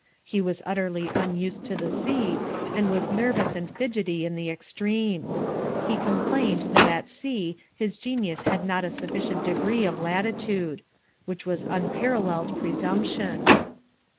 He was utterly unused to the sea and was nervous and fidgety in the extreme. He complained that at sea his genius had not a sufficient degree of latitude. Which was unparalleled presumption.